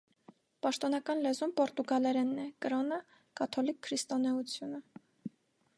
Պաշտոնական լեզուն պորտուգալերենն է, կրոնը՝ կաթոլիկ քրիստոնեությունը։